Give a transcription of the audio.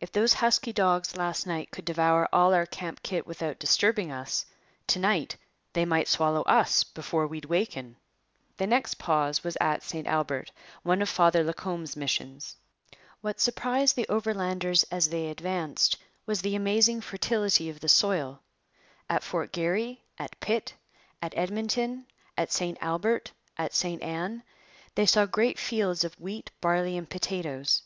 'If those husky dogs last night could devour all our camp kit without disturbing us, to night they might swallow us before we'd waken.' The next pause was at St Albert, one of Father Lacombe's missions. What surprised the Overlanders as they advanced was the amazing fertility of the soil. At Fort Garry, at Pitt, at Edmonton, at St Albert, at St Ann, they saw great fields of wheat, barley, and potatoes.